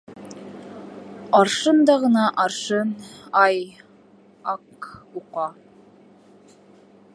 Аршын да ғына аршын, ай, ак уҡа.